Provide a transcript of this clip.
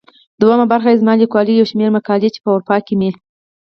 دوهمه برخه يې زما ليکوال يو شمېر مقالې چي په اروپا کې مي.